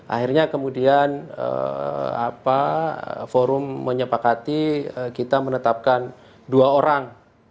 akhirnya kemudian forum menyepakati kita menetapkan dua orang